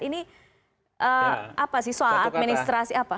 ini apa sih soal administrasi apa